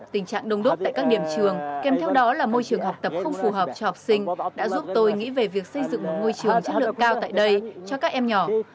tình trạng đông đốt tại các điểm trường kèm theo đó là môi trường học tập không phù hợp cho học sinh đã giúp tôi nghĩ về việc xây dựng một ngôi trường chất lượng cao tại đây cho các em nhỏ